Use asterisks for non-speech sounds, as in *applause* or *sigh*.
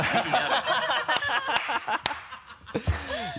ハハハ *laughs*